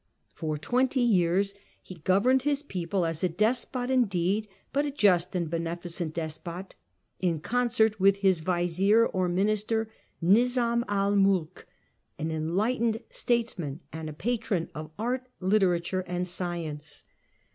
For twenty years he governed his people as a despot indeed, but a just and beneficent despot, in concert with his Vizir or minister Nizam el mulk, an enlightened statesman and a patron of art, literature and science.